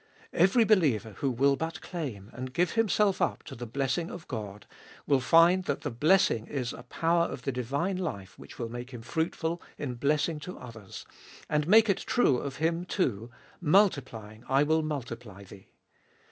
Every believer who will but claim, and give himself up to the blessing of God, will find that the bless ing is a power of the divine life which will make him fruitful in blessing to others, and make it true of him too, multiplying I will multiply thee.